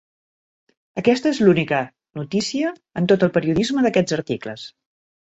Aquesta és l'única "notícia" en tot el periodisme d'aquests articles.